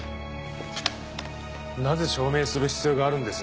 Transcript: なぜ証明する必要があるんです？